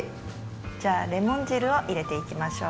じゃあレモン汁を入れていきましょう。